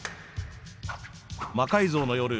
「魔改造の夜」